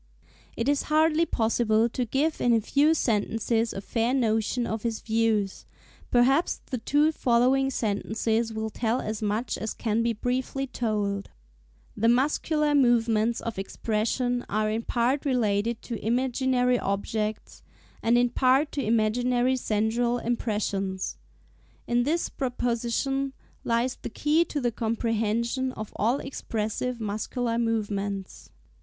It is hardly possible to give in a few sentences a fair notion of his views; perhaps the two following sentences will tell as much as can be briefly told: "the muscular movements of expression are in part related to imaginary objects, and in part to imaginary sensorial impressions. In this proposition lies the key to the comprehension of all expressive muscular movements." (s.